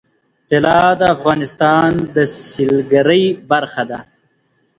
طلا د افغانستان د سیلګرۍ برخه ده.